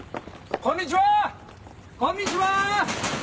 こんにちは！